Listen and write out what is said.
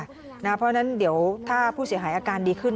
เพราะฉะนั้นเดี๋ยวถ้าผู้เสียหายอาการดีขึ้น